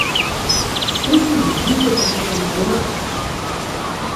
Usu jiten ginen honat.